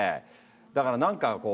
だから何かこう。